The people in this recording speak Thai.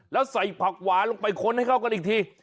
แล้วใส่ผักหวานลงไปค้นให้เข้ากันอีกที